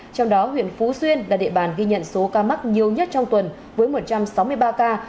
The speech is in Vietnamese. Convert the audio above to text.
trong đó huyện phú xuyên là địa bàn ghi nhận số ca mắc nhiều nhất trong tuần với một trăm sáu mươi ba ca